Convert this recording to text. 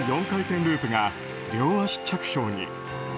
４回転ループが両足着氷に。